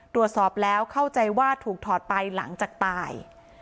ตรวจสอบแล้วเข้าใจว่าถูกถอดไปหลังจากตาย